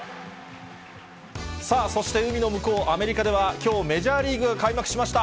そして、海の向こう、アメリカでは、きょうメジャーリーグが開幕しました。